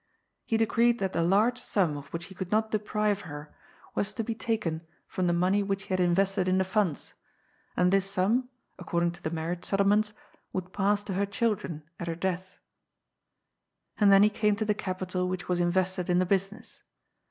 He decreed that the large sum jot which he could not deprive her was to be 8 114 GOD'S POOL. taken from the money which he had invested in the funds, and this snm, according to the marriage settleraents, would pass to her children at her death. And then he came to the capital which was invested in the business.